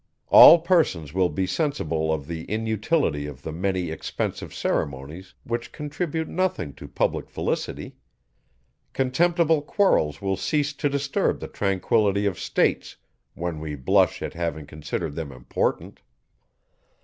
All persons will be sensible of the inutility of the many expensive ceremonies, which contribute nothing to public felicity. Contemptible quarrels will cease to disturb the tranquility of states, when we blush at having considered them important.